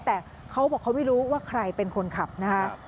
แต่เขาบอกเขาไม่รู้ว่าใครเป็นคนขับนะคะ